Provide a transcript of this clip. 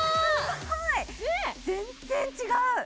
全然違う！